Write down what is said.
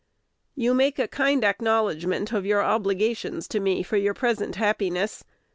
You make a kind acknowledgment of your obligations to me for your present happiness.